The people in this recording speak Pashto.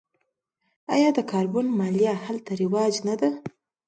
آیا د کاربن مالیه هلته رواج نه ده؟